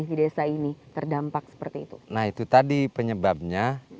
di desa ini terdampak seperti itu nah itu tadi penyebabnya